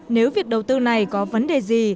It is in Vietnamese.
nếu việc đầu tư này có vấn đề gì